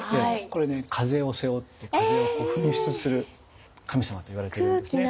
これね風を背負って風を噴出する神様といわれているんですね。